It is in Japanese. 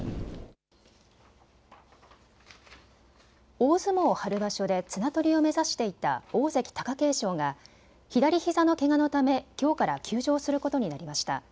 大相撲春場所で綱取りを目指していた大関・貴景勝が左ひざのけがのため、きょうから休場することになりました。